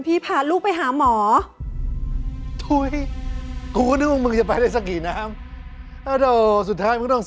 ตัวนี่ตัวน้องมัฐรนำตัวสินะ